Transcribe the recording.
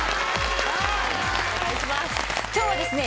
今日はですね